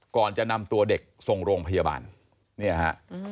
ก่อนจะนำตัวเด็กส่งโรงพยาบาลเนี่ยฮะ